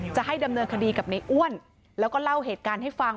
จะให้ดำเนินคดีกับในอ้วนแล้วก็เล่าเหตุการณ์ให้ฟัง